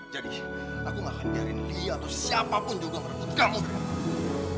jadi aku gak akan biarin lia atau siapa pun juga merebut kamu dari aku